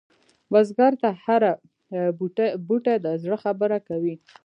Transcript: بزګر ته هره بوټۍ د زړه خبره کوي